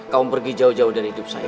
kaum pergi jauh jauh dari hidup saya